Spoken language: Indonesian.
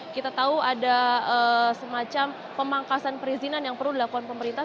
kita tahu ada semacam pemangkasan perizinan yang perlu dilakukan pemerintah